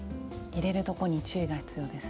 入れるとこに注意が必要ですね。